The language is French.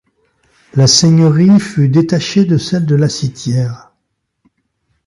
La seigneurie fut détachée de celle de La Citière.